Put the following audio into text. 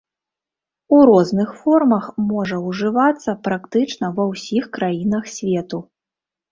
У розных формах можа ўжывацца практычна ва ўсіх краінах свету.